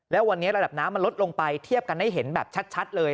แล้ววันนี้ระดับน้ำมันลดลงไปเทียบกันให้เห็นแบบชัดเลย